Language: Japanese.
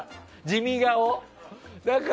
地味顔。